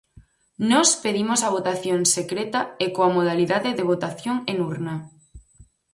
Nós pedimos a votación secreta e coa modalidade de votación en urna.